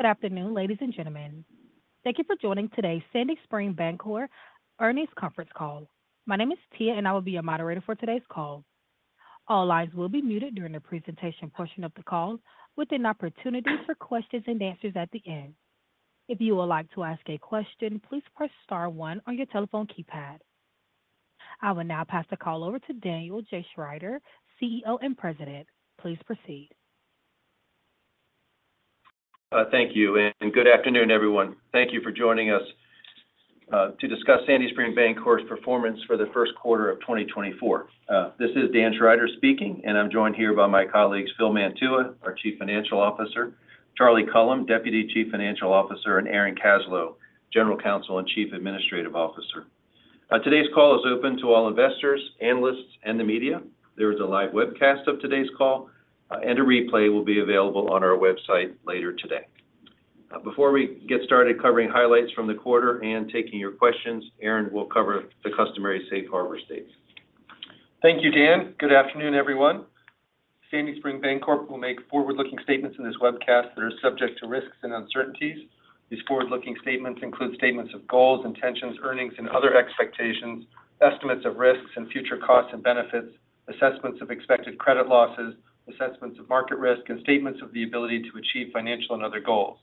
Good afternoon, ladies and gentlemen. Thank you for joining today's Sandy Spring Bancorp earnings conference call. My name is Tia, and I will be your moderator for today's call. All lines will be muted during the presentation portion of the call, with an opportunity for questions and answers at the end. If you would like to ask a question, please press star one on your telephone keypad. I will now pass the call over to Daniel J. Schrider, CEO and President. Please proceed. Thank you, and good afternoon, everyone. Thank you for joining us to discuss Sandy Spring Bancorp's performance for the first quarter of 2024. This is Dan Schrider speaking, and I'm joined here by my colleagues, Phil Mantua, our Chief Financial Officer, Charlie Cullum, Deputy Chief Financial Officer, and Aaron Kaslow, General Counsel and Chief Administrative Officer. Today's call is open to all investors, analysts, and the media. There is a live webcast of today's call, and a replay will be available on our website later today. Before we get started covering highlights from the quarter and taking your questions, Aaron will cover the customary safe harbor statements. Thank you, Dan. Good afternoon, everyone. Sandy Spring Bancorp will make forward-looking statements in this webcast that are subject to risks and uncertainties. These forward-looking statements include statements of goals, intentions, earnings, and other expectations, estimates of risks and future costs and benefits, assessments of expected credit losses, assessments of market risk, and statements of the ability to achieve financial and other goals.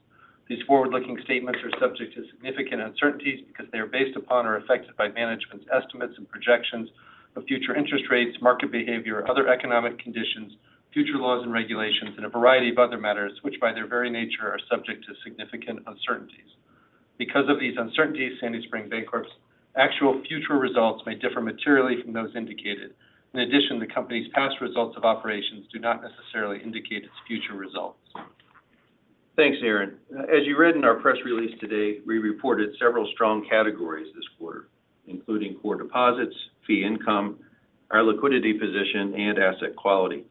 These forward-looking statements are subject to significant uncertainties because they are based upon or affected by management's estimates and projections of future interest rates, market behavior, other economic conditions, future laws and regulations, and a variety of other matters, which, by their very nature, are subject to significant uncertainties. Because of these uncertainties, Sandy Spring Bancorp's actual future results may differ materially from those indicated. In addition, the company's past results of operations do not necessarily indicate its future results. Thanks, Aaron. As you read in our press release today, we reported several strong categories this quarter, including core deposits, fee income, our liquidity position, and asset quality.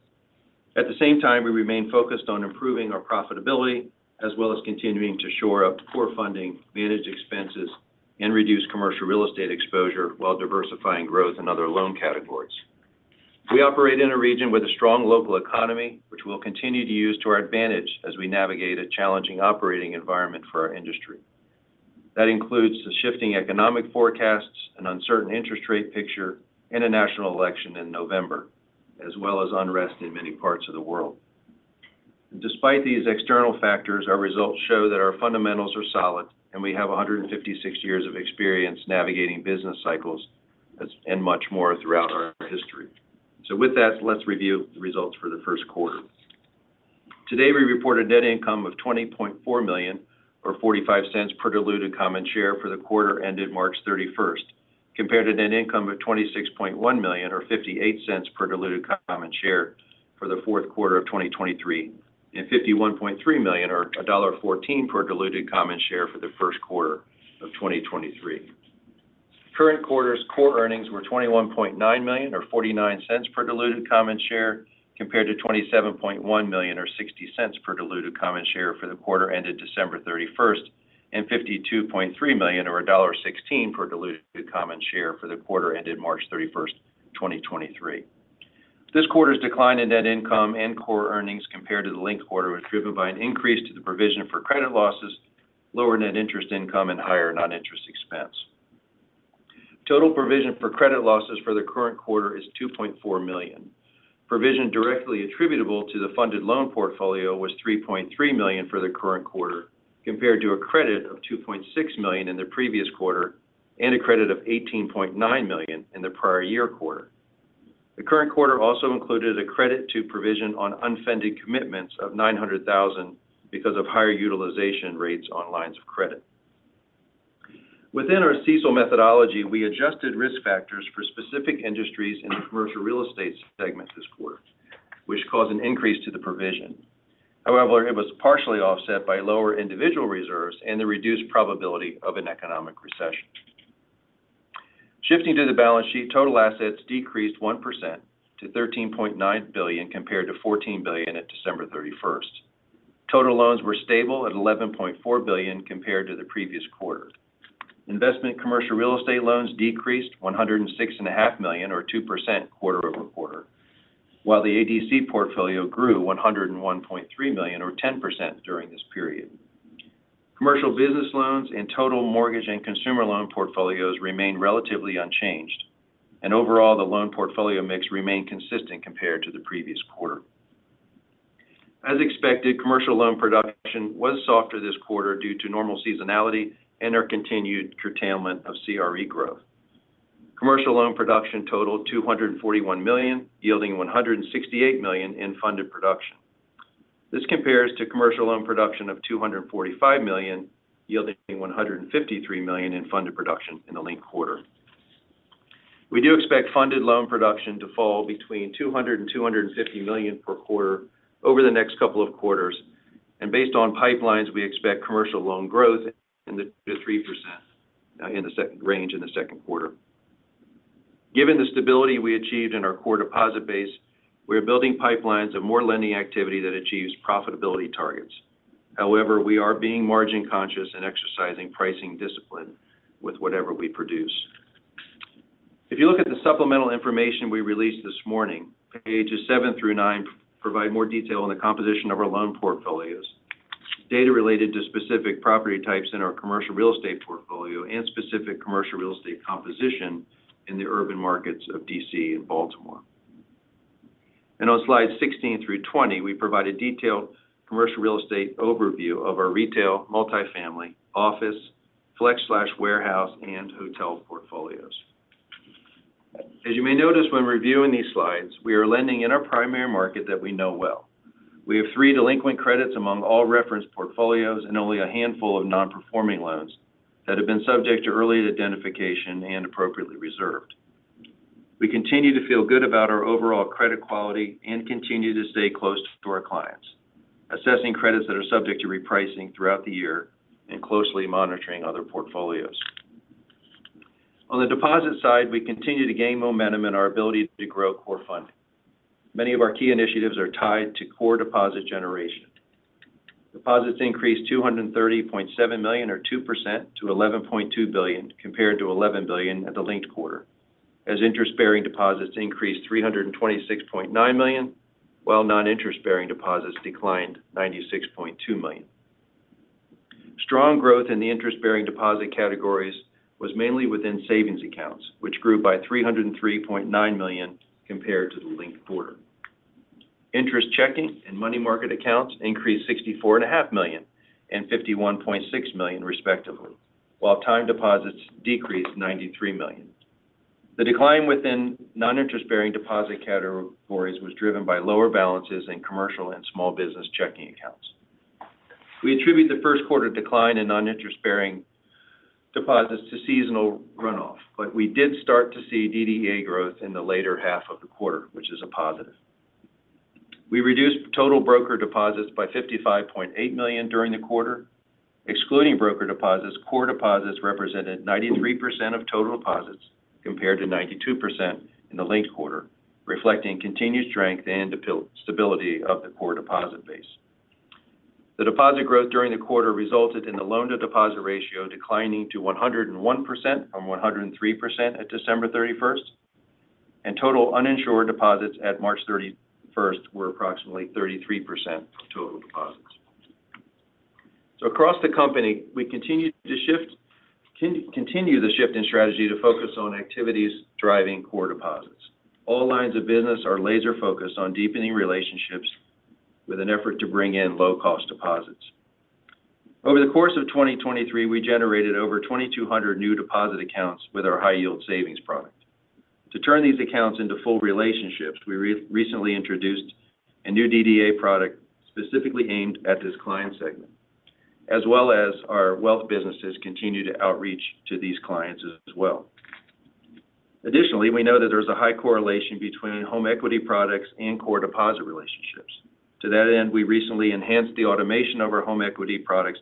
At the same time, we remain focused on improving our profitability, as well as continuing to shore up core funding, manage expenses, and reduce commercial real estate exposure while diversifying growth in other loan categories. We operate in a region with a strong local economy, which we'll continue to use to our advantage as we navigate a challenging operating environment for our industry. That includes the shifting economic forecasts and uncertain interest rate picture in a national election in November, as well as unrest in many parts of the world. Despite these external factors, our results show that our fundamentals are solid, and we have 156 years of experience navigating business cycles and much more throughout our history. So with that, let's review the results for the first quarter. Today, we reported net income of $20.4 million or $0.45 per diluted common share for the quarter ended March 31st, compared to net income of $26.1 million or $0.58 per diluted common share for the fourth quarter of 2023, and $51.3 million or $1.14 per diluted common share for the first quarter of 2023. Current quarter's core earnings were $21.9 million or $0.49 per diluted common share, compared to $27.1 million or $0.60 per diluted common share for the quarter ended December 31, and $52.3 million or $1.16 per diluted common share for the quarter ended March 31st, 2023. This quarter's decline in net income and core earnings compared to the linked quarter was driven by an increase to the provision for credit losses, lower net interest income, and higher non-interest expense. Total provision for credit losses for the current quarter is $2.4 million. Provision directly attributable to the funded loan portfolio was $3.3 million for the current quarter, compared to a credit of $2.6 million in the previous quarter and a credit of $18.9 million in the prior year quarter. The current quarter also included a credit to provision on unfunded commitments of $900,000 because of higher utilization rates on lines of credit. Within our CECL methodology, we adjusted risk factors for specific industries in the commercial real estate segment this quarter, which caused an increase to the provision. However, it was partially offset by lower individual reserves and the reduced probability of an economic recession. Shifting to the balance sheet, total assets decreased 1% to $13.9 billion, compared to $14 billion at December 31st. Total loans were stable at $11.4 billion compared to the previous quarter. Investment commercial real estate loans decreased $106.5 million or 2% quarter-over-quarter, while the ADC portfolio grew $101.3 million or 10% during this period. Commercial business loans and total mortgage and consumer loan portfolios remained relatively unchanged, and overall, the loan portfolio mix remained consistent compared to the previous quarter. As expected, commercial loan production was softer this quarter due to normal seasonality and our continued curtailment of CRE growth. Commercial loan production totaled $241 million, yielding $168 million in funded production. This compares to commercial loan production of $245 million, yielding $153 million in funded production in the linked quarter. We do expect funded loan production to fall between $200 million and $250 million per quarter over the next couple of quarters, and based on pipelines, we expect commercial loan growth in the 3% in the second range in the second quarter. Given the stability we achieved in our core deposit base, we are building pipelines of more lending activity that achieves profitability targets. However, we are being margin conscious and exercising pricing discipline with whatever we produce.... If you look at the supplemental information we released this morning, pages 7-9 provide more detail on the composition of our loan portfolios, data related to specific property types in our commercial real estate portfolio, and specific commercial real estate composition in the urban markets of D.C. and Baltimore. On slides 16-20, we provide a detailed commercial real estate overview of our retail, multifamily, office, flex/warehouse, and hotel portfolios. As you may notice when reviewing these slides, we are lending in our primary market that we know well. We have three delinquent credits among all referenced portfolios and only a handful of non-performing loans that have been subject to early identification and appropriately reserved. We continue to feel good about our overall credit quality and continue to stay close to our clients, assessing credits that are subject to repricing throughout the year and closely monitoring other portfolios. On the deposit side, we continue to gain momentum in our ability to grow core funding. Many of our key initiatives are tied to core deposit generation. Deposits increased $230.7 million, or 2%, to $11.2 billion, compared to $11 billion at the linked quarter, as interest-bearing deposits increased $326.9 million, while non-interest-bearing deposits declined $96.2 million. Strong growth in the interest-bearing deposit categories was mainly within savings accounts, which grew by $303.9 million compared to the linked quarter. Interest checking and money market accounts increased $64.5 million and $51.6 million, respectively, while time deposits decreased $93 million. The decline within non-interest-bearing deposit categories was driven by lower balances in commercial and small business checking accounts. We attribute the first quarter decline in non-interest-bearing deposits to seasonal runoff, but we did start to see DDA growth in the later half of the quarter, which is a positive. We reduced total broker deposits by $55.8 million during the quarter. Excluding broker deposits, core deposits represented 93% of total deposits, compared to 92% in the linked quarter, reflecting continued strength and the pillar stability of the core deposit base. The deposit growth during the quarter resulted in the loan-to-deposit ratio declining to 101% from 103% at December thirty-first, and total uninsured deposits at March 31st were approximately 33% of total deposits. So across the company, we continue the shift in strategy to focus on activities driving core deposits. All lines of business are laser-focused on deepening relationships with an effort to bring in low-cost deposits. Over the course of 2023, we generated over 2,200 new deposit accounts with our high-yield savings product. To turn these accounts into full relationships, we recently introduced a new DDA product specifically aimed at this client segment, as well as our wealth businesses continue to outreach to these clients as well. Additionally, we know that there's a high correlation between home equity products and core deposit relationships. To that end, we recently enhanced the automation of our home equity products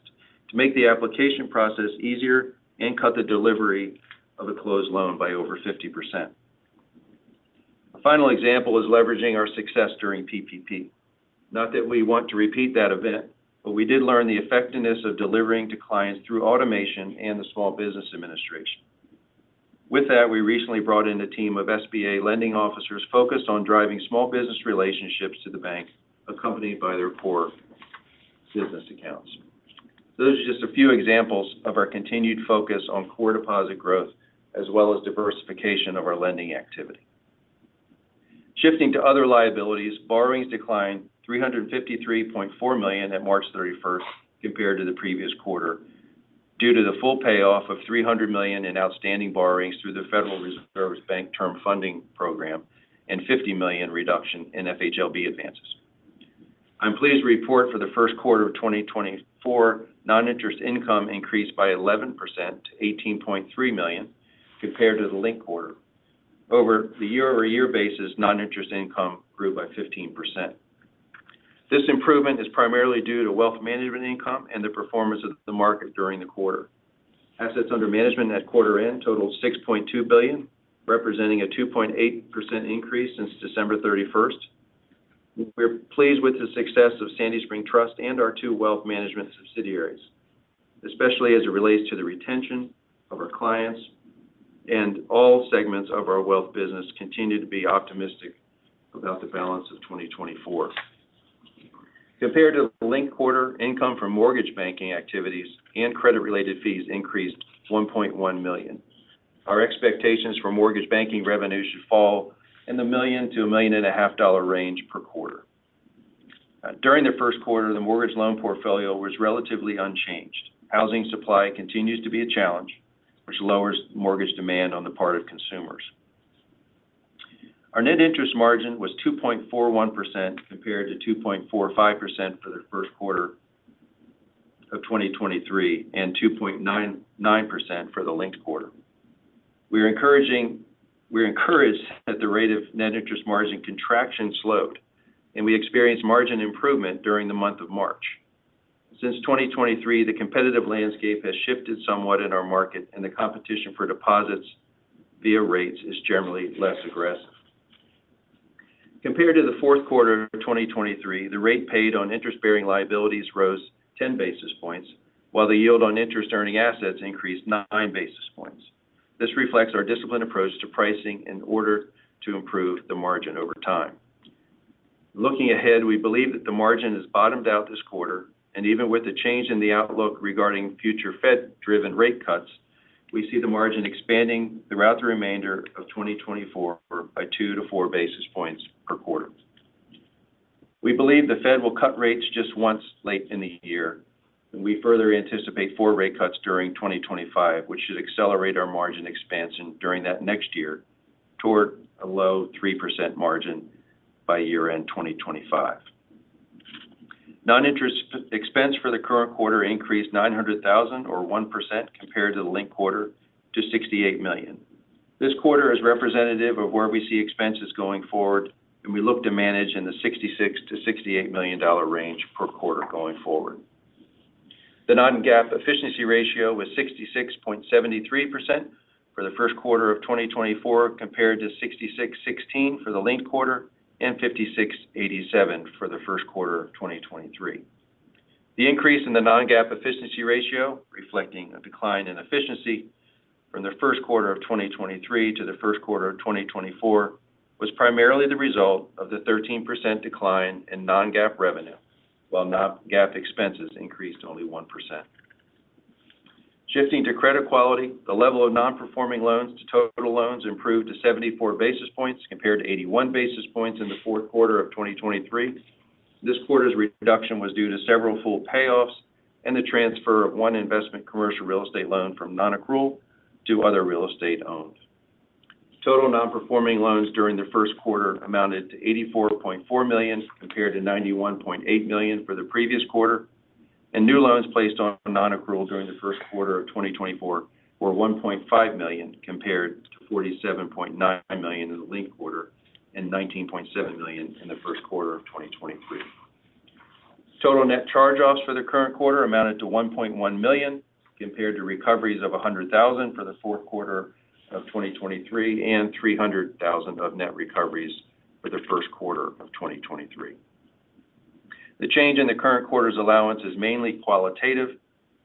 to make the application process easier and cut the delivery of a closed loan by over 50%. A final example is leveraging our success during PPP. Not that we want to repeat that event, but we did learn the effectiveness of delivering to clients through automation and the Small Business Administration. With that, we recently brought in a team of SBA lending officers focused on driving small business relationships to the bank, accompanied by their core business accounts. Those are just a few examples of our continued focus on core deposit growth, as well as diversification of our lending activity. Shifting to other liabilities, borrowings declined $353.4 million at March 31st compared to the previous quarter, due to the full payoff of $300 million in outstanding borrowings through the Federal Reserve's Bank Term Funding Program and $50 million reduction in FHLB advances. I'm pleased to report for the first quarter of 2024, non-interest income increased by 11% to $18.3 million compared to the linked quarter. Over the year-over-year basis, non-interest income grew by 15%. This improvement is primarily due to wealth management income and the performance of the market during the quarter. Assets under management at quarter end totaled $6.2 billion, representing a 2.8% increase since December 31st. We're pleased with the success of Sandy Spring Trust and our two wealth management subsidiaries, especially as it relates to the retention of our clients, and all segments of our wealth business continue to be optimistic about the balance of 2024. Compared to the linked quarter, income from mortgage banking activities and credit-related fees increased to $1.1 million. Our expectations for mortgage banking revenue should fall in the $1 million-$1.5 million range per quarter. During the first quarter, the mortgage loan portfolio was relatively unchanged. Housing supply continues to be a challenge, which lowers mortgage demand on the part of consumers. Our net interest margin was 2.41% compared to 2.45% for the first quarter of 2023, and 2.99% for the linked quarter. We are encouraging-- we're encouraged that the rate of net interest margin contraction slowed, and we experienced margin improvement during the month of March. Since 2023, the competitive landscape has shifted somewhat in our market, and the competition for deposits via rates is generally less aggressive, compared to the fourth quarter of 2023, the rate paid on interest-bearing liabilities rose 10 basis points, while the yield on interest-earning assets increased 9 basis points. This reflects our disciplined approach to pricing in order to improve the margin over time. Looking ahead, we believe that the margin has bottomed out this quarter, and even with the change in the outlook regarding future Fed-driven rate cuts, we see the margin expanding throughout the remainder of 2024 by 2-4 basis points per quarter. We believe the Fed will cut rates just once late in the year, and we further anticipate four rate cuts during 2025, which should accelerate our margin expansion during that next year toward a low 3% margin by year-end 2025. Non-interest expense for the current quarter increased $900,000 or 1% compared to the linked quarter to $68 million. This quarter is representative of where we see expenses going forward, and we look to manage in the $66 million-$68 million range per quarter going forward. The non-GAAP efficiency ratio was 66.73% for the first quarter of 2024, compared to 66.16% for the linked quarter and 56.87% for the first quarter of 2023. The increase in the non-GAAP efficiency ratio, reflecting a decline in efficiency from the first quarter of 2023 to the first quarter of 2024, was primarily the result of the 13% decline in non-GAAP revenue, while non-GAAP expenses increased only 1%. Shifting to credit quality, the level of non-performing loans to total loans improved to 74 basis points, compared to 81 basis points in the fourth quarter of 2023. This quarter's reduction was due to several full payoffs and the transfer of one investment commercial real estate loan from nonaccrual to other real estate owned. Total non-performing loans during the first quarter amounted to $84.4 million, compared to $91.8 million for the previous quarter, and new loans placed on nonaccrual during the first quarter of 2024 were $1.5 million, compared to $47.9 million in the linked quarter and $19.7 million in the first quarter of 2023. Total net charge-offs for the current quarter amounted to $1.1 million, compared to recoveries of $100,000 for the fourth quarter of 2023 and $300,000 of net recoveries for the first quarter of 2023. The change in the current quarter's allowance is mainly qualitative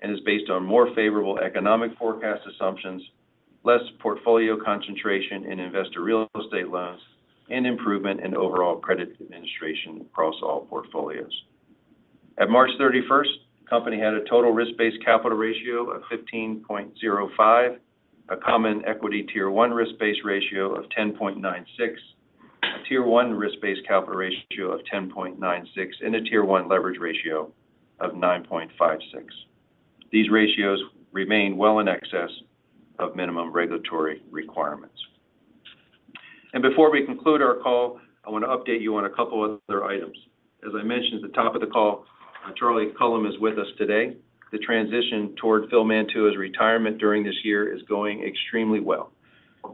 and is based on more favorable economic forecast assumptions, less portfolio concentration in investor real estate loans, and improvement in overall credit administration across all portfolios. At March 31st, the company had a total risk-based capital ratio of 15.05, a common equity Tier 1 risk-based ratio of 10.96, a Tier 1 risk-based capital ratio of 10.96, and a Tier 1 leverage ratio of 9.56. These ratios remain well in excess of minimum regulatory requirements. Before we conclude our call, I want to update you on a couple of other items. As I mentioned at the top of the call, Charlie Cullum is with us today. The transition toward Phil Mantua's retirement during this year is going extremely well.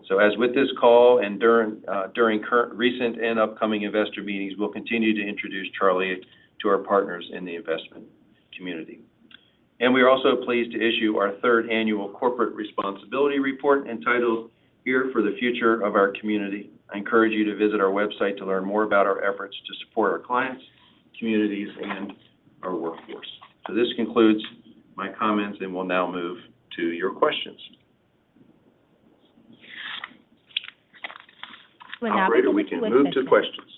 So as with this call and during current, recent and upcoming investor meetings, we'll continue to introduce Charlie to our partners in the investment community. We are also pleased to issue our third annual corporate responsibility report, entitled here for the Future of Our Community. I encourage you to visit our website to learn more about our efforts to support our clients, communities, and our workforce. This concludes my comments, and we'll now move to your questions. When- Operator, we can move to questions.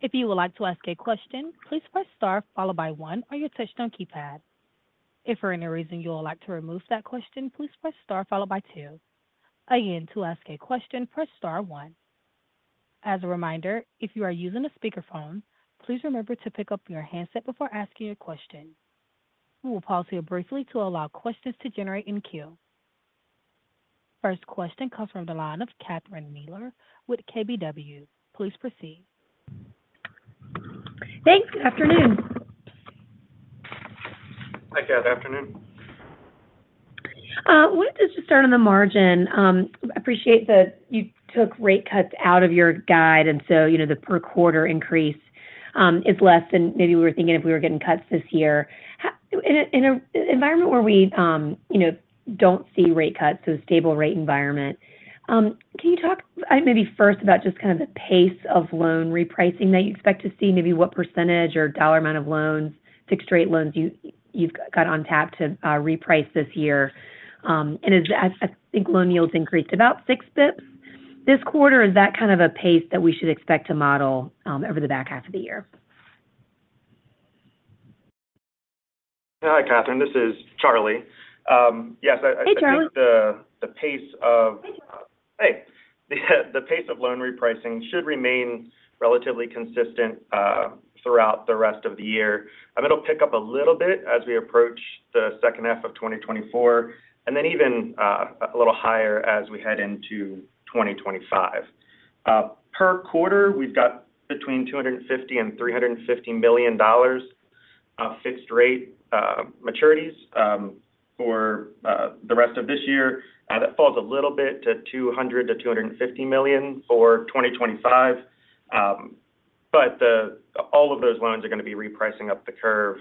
If you would like to ask a question, please press star followed by one on your touchtone keypad. If for any reason you would like to remove that question, please press star followed by two. Again, to ask a question, press star one. As a reminder, if you are using a speakerphone, please remember to pick up your handset before asking a question. We will pause here briefly to allow questions to generate in queue. First question comes from the line of Catherine Mealor with KBW. Please proceed. Thanks. Good afternoon. Hi, Catherine. Afternoon. Wanted to just start on the margin. Appreciate that you took rate cuts out of your guide, and so, you know, the per quarter increase is less than maybe we were thinking if we were getting cuts this year. In an environment where we, you know, don't see rate cuts, so a stable rate environment, can you talk maybe first about just kind of the pace of loan repricing that you expect to see? Maybe what percentage or dollar amount of loans, fixed rate loans you've got on tap to reprice this year. And as I think loan yields increased about 6 basis points this quarter, is that kind of a pace that we should expect to model over the back half of the year? Hi, Catherin, this is Charlie. Yes, Hey, Charlie. The pace of loan repricing should remain relatively consistent throughout the rest of the year. It'll pick up a little bit as we approach the second half of 2024 and then even a little higher as we head into 2025. Per quarter, we've got between $250 million and $350 million of fixed rate maturities for the rest of this year. That falls a little bit to $200 million-$250 million for 2025.... But the, all of those loans are going to be repricing up the curve,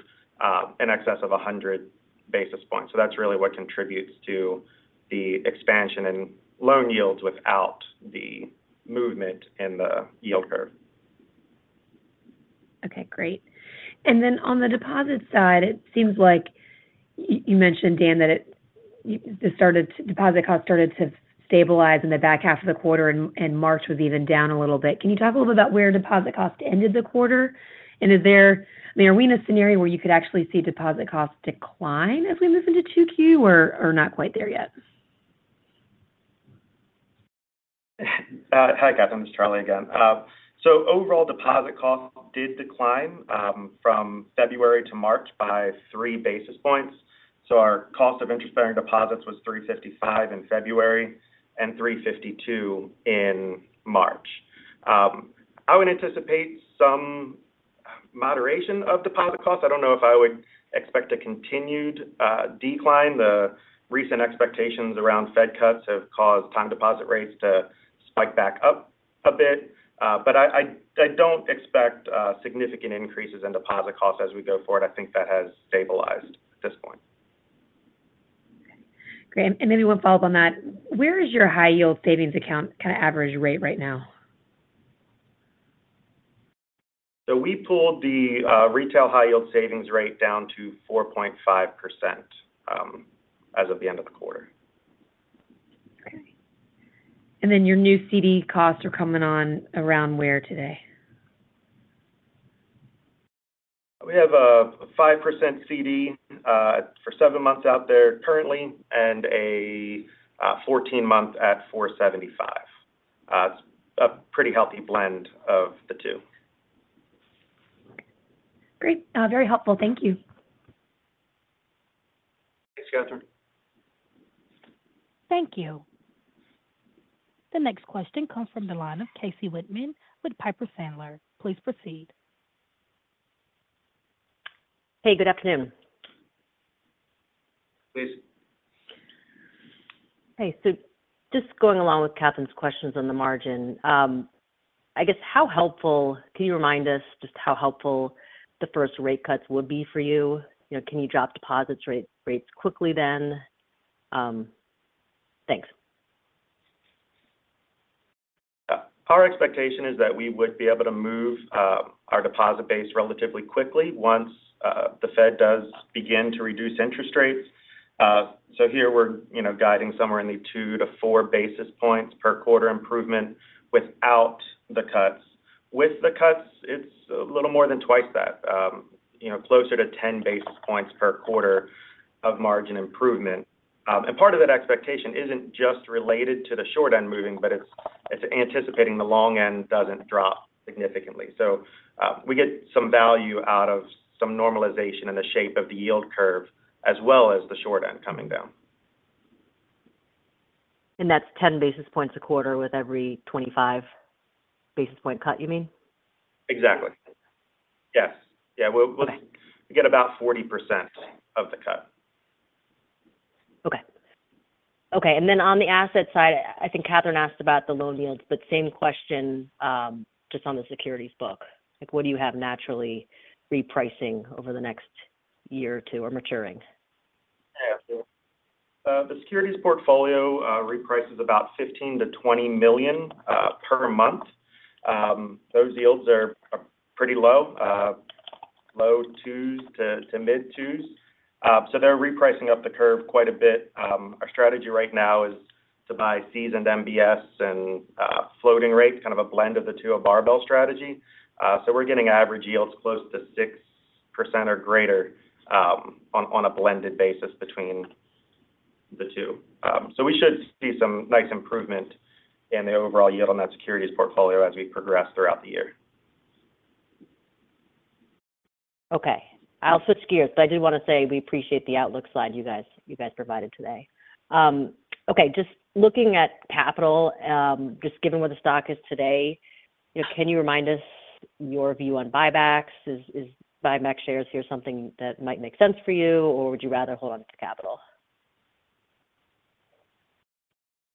in excess of 100 basis points. So that's really what contributes to the expansion in loan yields without the movement in the yield curve. Okay, great. And then on the deposit side, it seems like you mentioned, Dan, that deposit costs started to stabilize in the back half of the quarter, and March was even down a little bit. Can you talk a little about where deposit costs ended the quarter? And is there, I mean, are we in a scenario where you could actually see deposit costs decline as we move into 2Q, or not quite there yet? Hi, Kathryn, it's Charlie again. So overall deposit costs did decline from February to March by three basis points. So our cost of interest-bearing deposits was 355 in February and 352 in March. I would anticipate some moderation of deposit costs. I don't know if I would expect a continued decline. The recent expectations around Fed cuts have caused time deposit rates to spike back up a bit. But I don't expect significant increases in deposit costs as we go forward. I think that has stabilized at this point. Great. And maybe one follow-up on that. Where is your high-yield savings account kind of average rate right now? So we pulled the retail high-yield savings rate down to 4.5%, as of the end of the quarter. Okay. And then your new CD costs are coming on around where today? We have a 5% CD for 7 months out there currently, and a 14-month at 4.75%. It's a pretty healthy blend of the two. Great. Very helpful. Thank you. Thanks, Kathryn. Thank you. The next question comes from the line of Casey Whitman with Piper Sandler. Please proceed. Hey, good afternoon. Please. Hey, so just going along with Kathryn's questions on the margin, I guess, how helpful—can you remind us just how helpful the first rate cuts would be for you? You know, can you drop deposits rate, rates quickly then? Thanks. Our expectation is that we would be able to move our deposit base relatively quickly once the Fed does begin to reduce interest rates. So here we're, you know, guiding somewhere in the 2-4 basis points per quarter improvement without the cuts. With the cuts, it's a little more than twice that, you know, closer to 10 basis points per quarter of margin improvement. And part of that expectation isn't just related to the short end moving, but it's anticipating the long end doesn't drop significantly. So we get some value out of some normalization in the shape of the yield curve, as well as the short end coming down. That's 10 basis points a quarter with every 25 basis point cut, you mean? Exactly. Yes. Yeah, we'll- Okay... get about 40% of the cut. Okay. Okay, and then on the asset side, I think Kathryn asked about the loan yields, but same question, just on the securities book. Like, what do you have naturally repricing over the next year or two or maturing? Yeah. The securities portfolio reprices about $15 million-$20 million per month. Those yields are pretty low, low twos to mid twos. So they're repricing up the curve quite a bit. Our strategy right now is to buy seasoned MBS and floating rates, kind of a blend of the two, a barbell strategy. So we're getting average yields close to 6% or greater, on a blended basis between the two. So we should see some nice improvement in the overall yield on that securities portfolio as we progress throughout the year. Okay. I'll switch gears, but I did want to say we appreciate the outlook slide you guys, you guys provided today. Okay, just looking at capital, just given where the stock is today, you know, can you remind us your view on buybacks? Is buyback shares here something that might make sense for you, or would you rather hold on to capital?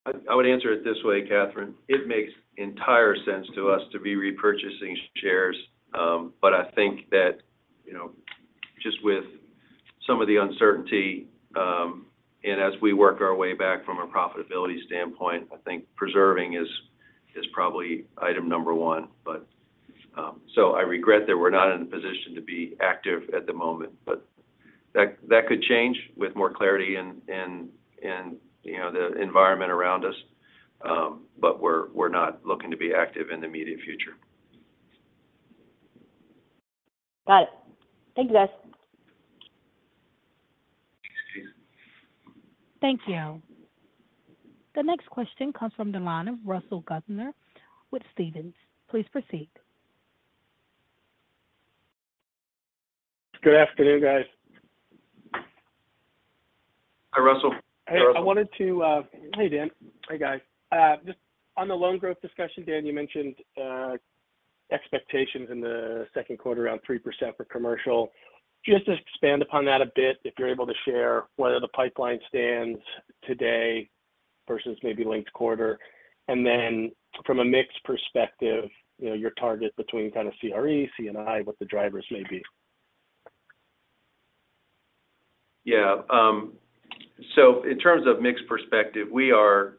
I would answer it this way, Kathryn. It makes entire sense to us to be repurchasing shares, but I think that, you know, just with some of the uncertainty, and as we work our way back from a profitability standpoint, I think preserving is probably item number one. But, so I regret that we're not in a position to be active at the moment, but that could change with more clarity in, you know, the environment around us. But we're not looking to be active in the immediate future. Got it. Thank you, guys. Thank you. The next question comes from the line of Russell Gunther with Stephens. Please proceed. Good afternoon, guys. Hi, Russell. I wanted to... Hey, Dan. Hey, guys. Just on the loan growth discussion, Dan, you mentioned expectations in the second quarter, around 3% for commercial. Just to expand upon that a bit, if you're able to share where the pipeline stands today?... versus maybe linked quarter. And then from a mix perspective, you know, your target between kind of CRE, C&I, what the drivers may be? Yeah. So in terms of mix perspective, we're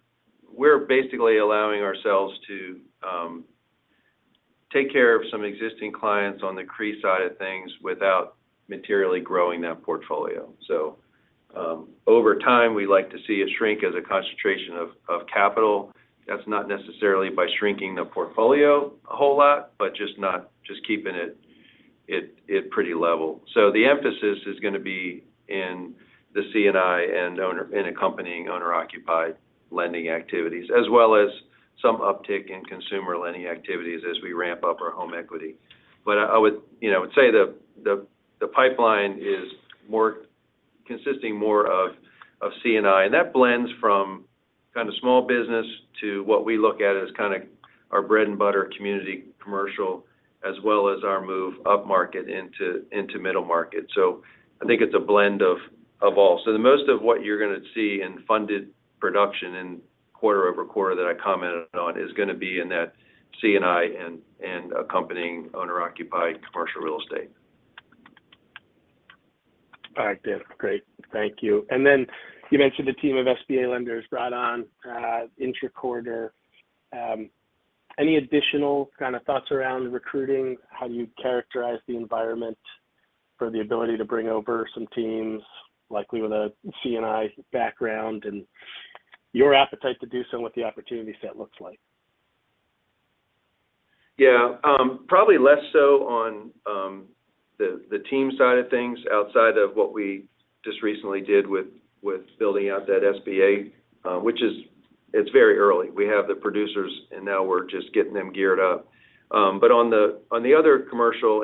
basically allowing ourselves to take care of some existing clients on the CRE side of things without materially growing that portfolio. So over time, we like to see a shrink as a concentration of capital. That's not necessarily by shrinking the portfolio a whole lot, but just keeping it pretty level. So the emphasis is gonna be in the C&I and accompanying owner-occupied lending activities, as well as some uptick in consumer lending activities as we ramp up our home equity. But I would, you know, say the pipeline is more consisting more of C&I, and that blends from kind of small business to what we look at as kind of our bread and butter community commercial, as well as our move upmarket into middle market. So I think it's a blend of all. So the most of what you're gonna see in funded production and quarter-over-quarter that I commented on is gonna be in that C&I and accompanying owner-occupied commercial real estate. All right, Dan. Great. Thank you. Then you mentioned the team of SBA lenders brought on intra-quarter. Any additional kind of thoughts around recruiting? How do you characterize the environment for the ability to bring over some teams, likely with a C&I background, and your appetite to do so, and what the opportunity set looks like? Yeah. Probably less so on the team side of things outside of what we just recently did with building out that SBA, which is. It's very early. We have the producers, and now we're just getting them geared up. But on the other commercial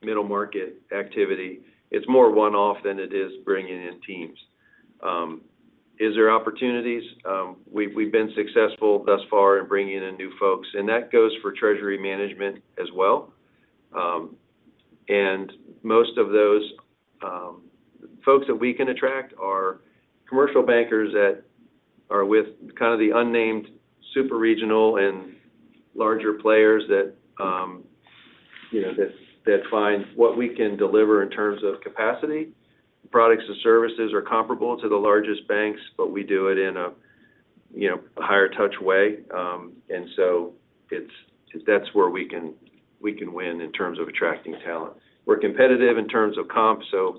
and middle market activity, it's more one-off than it is bringing in teams. Is there opportunities? We've been successful thus far in bringing in new folks, and that goes for treasury management as well. And most of those folks that we can attract are commercial bankers that are with kind of the unnamed super regional and larger players that you know that find what we can deliver in terms of capacity. Products and services are comparable to the largest banks, but we do it in a, you know, a higher touch way. And so it's, that's where we can, we can win in terms of attracting talent. We're competitive in terms of comp, so,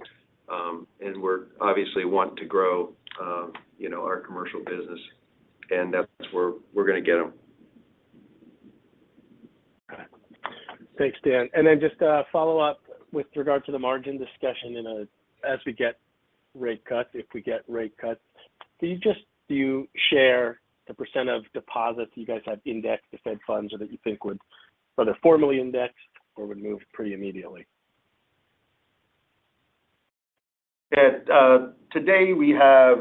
and we're obviously want to grow, you know, our commercial business, and that's where we're gonna get them. Got it. Thanks, Dan. And then just a follow-up with regard to the margin discussion as we get rate cuts, if we get rate cuts. Do you share the percent of deposits you guys have indexed to Fed funds or that you think would, whether formally indexed or would move pretty immediately? Yeah. Today we have,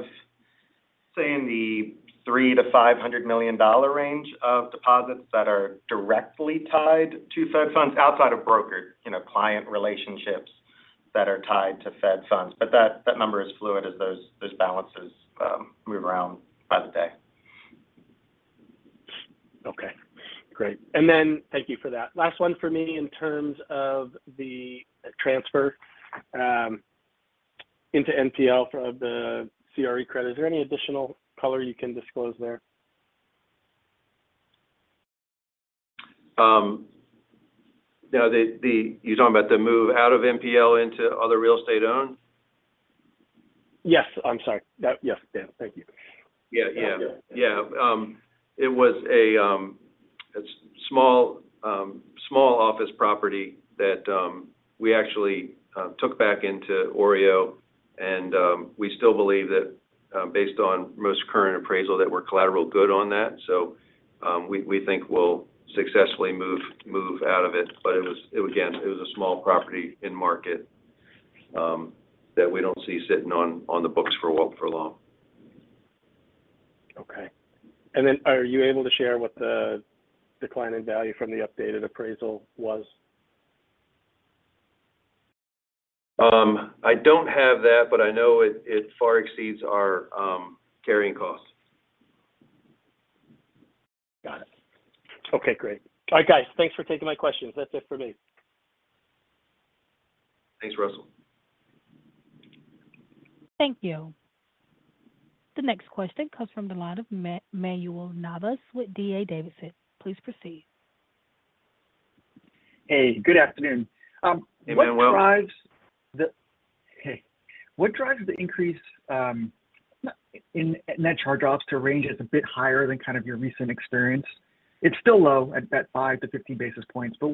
say, in the $300 million-$500 million range of deposits that are directly tied to Fed Funds outside of brokered, you know, client relationships that are tied to Fed Funds. But that, that number is fluid as those, those balances move around by the day. Okay, great. And then thank you for that. Last one for me, in terms of the transfer, into NPL of the CRE credit, is there any additional color you can disclose there? Now, you're talking about the move out of NPL into other real estate owned? Yes. I'm sorry. Yes, Dan. Thank you. Yeah. It was a small office property that we actually took back into OREO and we still believe that, based on most current appraisal, that we're collateral good on that. So, we think we'll successfully move out of it, but it was again a small property in market that we don't see sitting on the books for long. Okay. And then are you able to share what the decline in value from the updated appraisal was? I don't have that, but I know it far exceeds our carrying costs. Got it. Okay, great. All right, guys, thanks for taking my questions. That's it for me. Thanks, Russell. Thank you. The next question comes from the line of Manuel Navas with D.A. Davidson. Please proceed. Hey, good afternoon. Hey, Manuel. What drives the increase in net charge-offs? The range is a bit higher than kind of your recent experience? It's still low at that 5-50 basis points, but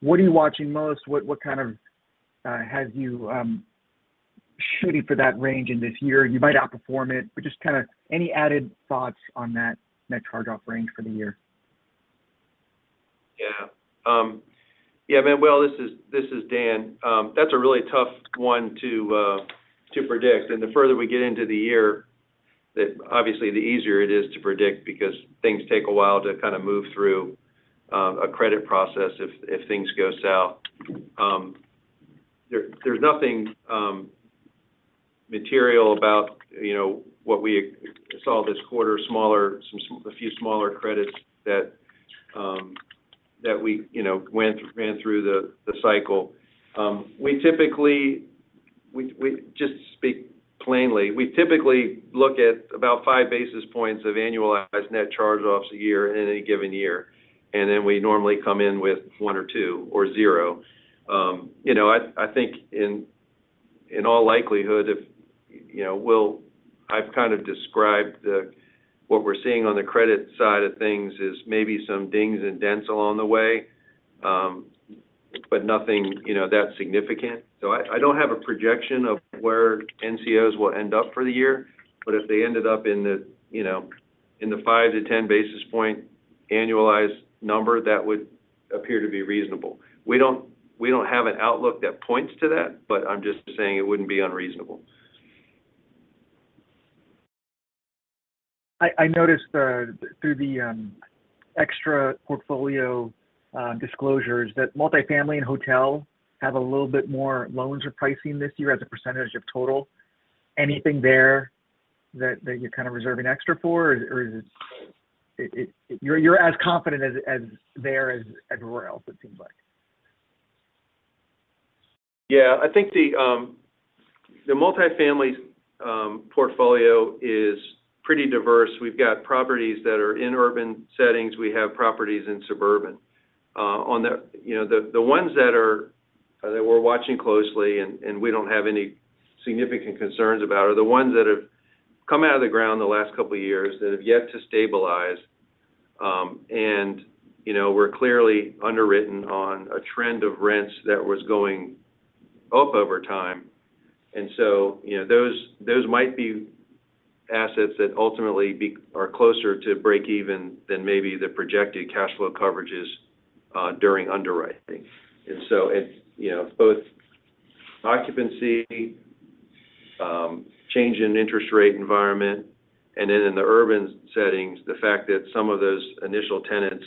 what are you watching most? What are you shooting for that range in this year? You might outperform it, but just kind of any added thoughts on that net charge-off range for the year. Yeah. Yeah, Manuel, this is—this is Dan. That's a really tough one to, to predict. And the further we get into the year, the—obviously, the easier it is to predict because things take a while to kind of move through a credit process if, if things go south. There's nothing, material about, you know, what we saw this quarter, smaller—some, a few smaller credits that, that we, you know, went, ran through the, the cycle. We typically, we, we just speak plainly. We typically look at about five basis points of annualized net charge-offs a year in any given year, and then we normally come in with one or two or zero. You know, I think in all likelihood, I've kind of described what we're seeing on the credit side of things is maybe some dings and dents along the way, but nothing, you know, that significant. So I don't have a projection of where NCOs will end up for the year, but if they ended up in the, you know, 5-10 basis point annualized number, that would appear to be reasonable. We don't have an outlook that points to that, but I'm just saying it wouldn't be unreasonable. I noticed through the extra portfolio disclosures that multifamily and hotel have a little bit more loans or pricing this year as a percentage of total. Anything there that you're kind of reserving extra for? Or is it you're as confident as there as everywhere else, it seems like. Yeah, I think the multifamily portfolio is pretty diverse. We've got properties that are in urban settings. We have properties in suburban. On the, you know, the ones that are that we're watching closely and we don't have any significant concerns about, are the ones that have come out of the ground the last couple of years that have yet to stabilize. And, you know, we're clearly underwritten on a trend of rents that was going up over time. And so, you know, those might be assets that ultimately are closer to break even than maybe the projected cash flow coverages during underwriting. And so it's, you know, both occupancy, change in interest rate environment, and then in the urban settings, the fact that some of those initial tenants,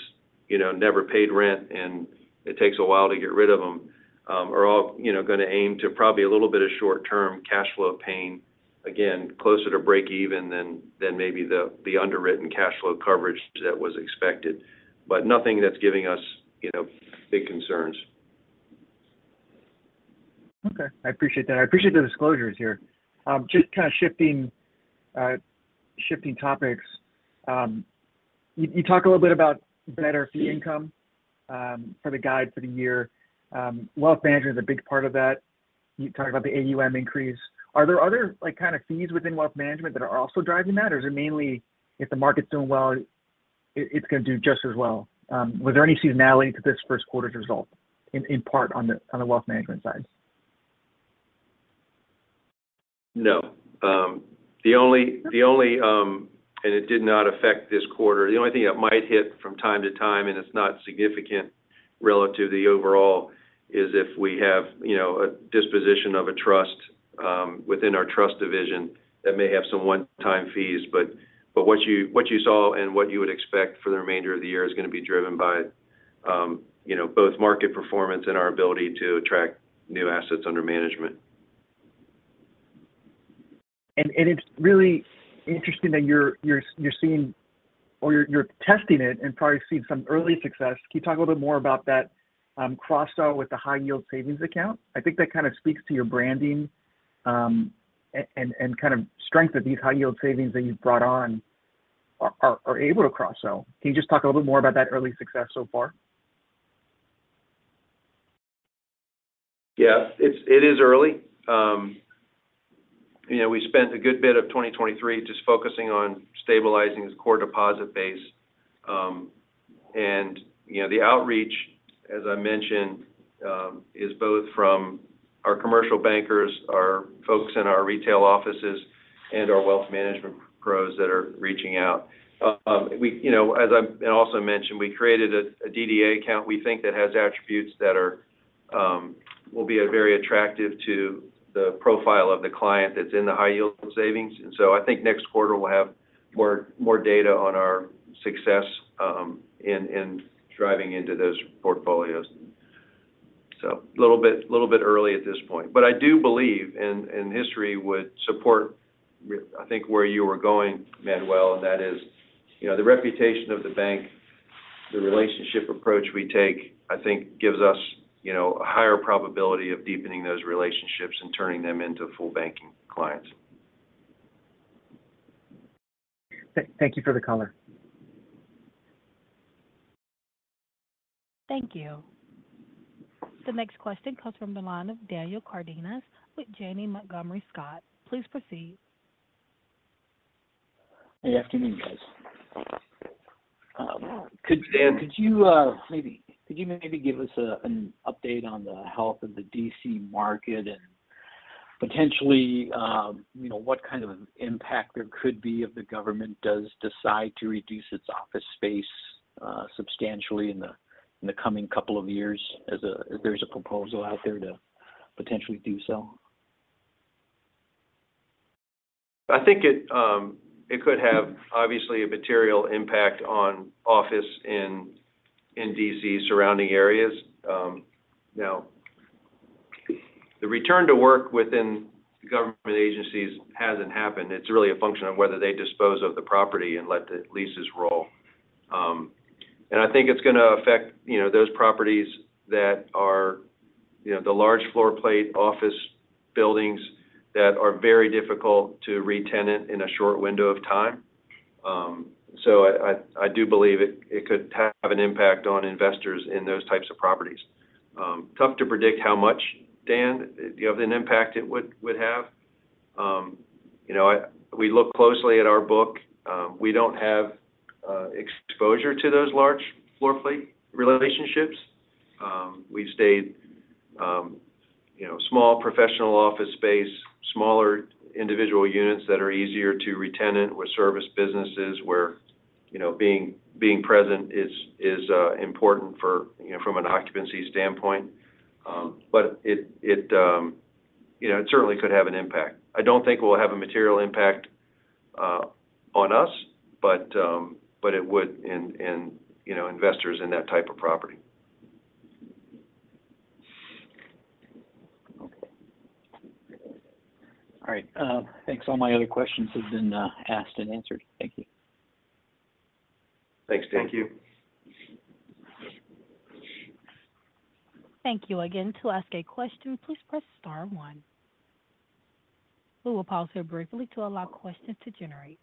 you know, never paid rent, and it takes a while to get rid of them, are all, you know, going to aim to probably a little bit of short-term cash flow pain. Again, closer to break even than maybe the underwritten cash flow coverage that was expected. But nothing that's giving us, you know, big concerns. Okay, I appreciate that. I appreciate the disclosures here. Just kind of shifting topics. You talk a little bit about better fee income for the guide for the year. Wealth management is a big part of that. You talked about the AUM increase. Are there other, like, kind of fees within wealth management that are also driving that, or is it mainly if the market's doing well, it's going to do just as well? Was there any seasonality to this first quarter's result in part on the wealth management side? No. The only and it did not affect this quarter. The only thing that might hit from time to time, and it's not significant relative to the overall, is if we have, you know, a disposition of a trust within our trust division, that may have some one-time fees. But what you saw and what you would expect for the remainder of the year is going to be driven by, you know, both market performance and our ability to attract new assets under management. It's really interesting that you're seeing, or you're testing it and probably seeing some early success. Can you talk a little bit more about that, cross-sell with the high yield savings account? I think that kind of speaks to your branding, and kind of strength of these high yield savings that you've brought on are able to cross-sell. Can you just talk a little bit more about that early success so far? Yeah. It's early. You know, we spent a good bit of 2023 just focusing on stabilizing this core deposit base. And, you know, the outreach, as I mentioned, is both from our commercial bankers, our folks in our retail offices, and our wealth management pros that are reaching out. We, you know, as I've also mentioned, we created a DDA account we think that has attributes that are, will be, very attractive to the profile of the client that's in the high-yield savings. And so I think next quarter we'll have more data on our success, in driving into those portfolios. So a little bit early at this point. But I do believe, and history would support, I think, where you were going, Manuel, and that is, you know, the reputation of the bank, the relationship approach we take, I think gives us, you know, a higher probability of deepening those relationships and turning them into full banking clients. Thank you for the color. Thank you. The next question comes from the line of Daniel Cardenas with Janney Montgomery Scott. Please proceed. Good afternoon, guys. Could you, Dan, maybe give us an update on the health of the D.C. market and potentially, you know, what kind of impact there could be if the government does decide to reduce its office space substantially in the coming couple of years as there's a proposal out there to potentially do so?... I think it could have obviously a material impact on office in D.C. surrounding areas. Now, the return to work within government agencies hasn't happened. It's really a function of whether they dispose of the property and let the leases roll. And I think it's gonna affect, you know, those properties that are, you know, the large floor plate office buildings that are very difficult to retenant in a short window of time. So I do believe it could have an impact on investors in those types of properties. Tough to predict how much, Dan, you know, an impact it would have. You know, we look closely at our book. We don't have exposure to those large floor plate relationships. We've stayed, you know, small professional office space, smaller individual units that are easier to retenant with service businesses where, you know, being present is important for, you know, from an occupancy standpoint. But it, you know, certainly could have an impact. I don't think it will have a material impact on us, but it would in, you know, investors in that type of property. Okay. All right, thanks. All my other questions have been asked and answered. Thank you. Thanks, Dan. Thank you. Thank you again. To ask a question, please press star one. We will pause here briefly to allow questions to generate.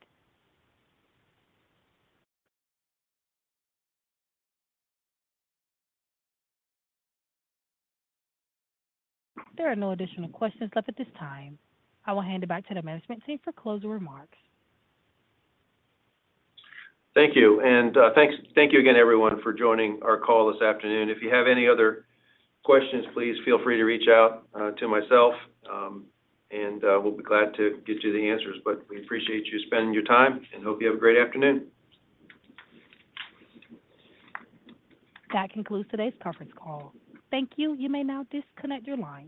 There are no additional questions left at this time. I will hand it back to the management team for closing remarks. Thank you, and thank you again, everyone, for joining our call this afternoon. If you have any other questions, please feel free to reach out to myself, and we'll be glad to get you the answers. But we appreciate you spending your time, and hope you have a great afternoon. That concludes today's conference call. Thank you. You may now disconnect your line.